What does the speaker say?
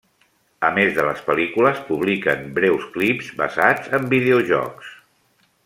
A més de les pel·lícules, publiquen breus clips basats en videojocs.